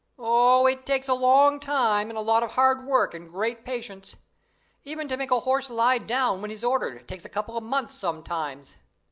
"Oh, it takes a long time and a lot of hard work and great patience. Even to make a horse lie down when he's ordered takes a couple of months sometimes.